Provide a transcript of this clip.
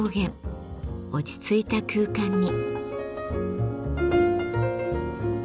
落ち着いた空間に。